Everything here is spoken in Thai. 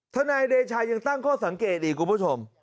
นายเดชายังตั้งข้อสังเกตอีกคุณผู้ชม